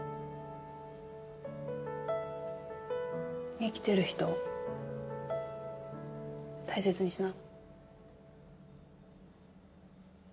生きてる人大切にしな。